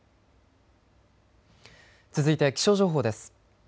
続いて気象情報です。